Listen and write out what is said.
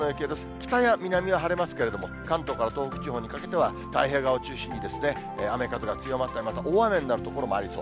北や南は晴れますけれども、関東から東北地方にかけては、太平洋側を中心に、雨風が強まったり、また大雨になる所もありそう。